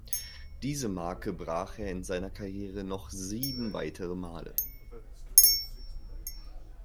Diese Marke brach er in seiner Karriere noch sieben weiter Male.